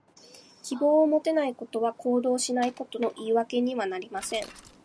希望を持てないことは、行動しないことの言い訳にはなりません。